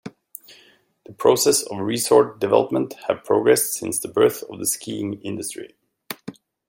The process of resort development have progressed since the birth of the skiing industry.